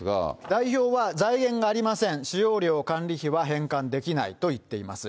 代表は財源がありません、使用料、管理費は返還できないと言っています。